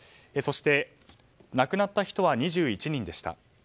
そして、亡くなった人は２１人でした。